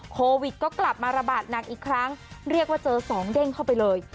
โควิดก็กลับมาระบาดหนักอีกครั้งเรียกว่าเจอสองเด้งเข้าไปเลย